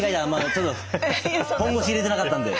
ちょっと本腰入れてなかったんで。